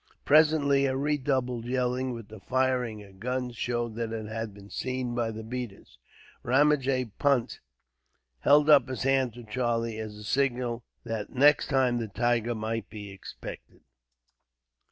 Presently a redoubled yelling, with the firing of guns, showed that it had been seen by the beaters. Ramajee Punt held up his hand to Charlie, as a signal that next time the tiger might be expected.